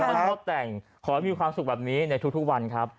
มันชอบแต่งขอให้มีความสุขแบบนี้ในทุกวันครับ